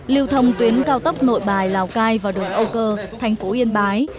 liều thông tuyến cao tốc nội bài lào cai vào đường âu cơ thành phố yên bái